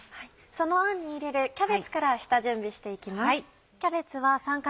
そのあんに入れるキャベツから下準備して行きます。